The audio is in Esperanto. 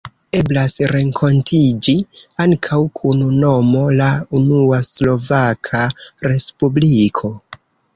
Eblas renkontiĝi ankaŭ kun nomo La unua Slovaka Respubliko.